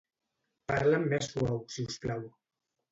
Parla'm més suau, siusplau.